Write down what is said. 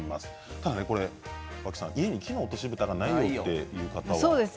ただ脇さん、家に木の落としぶたがないという方は？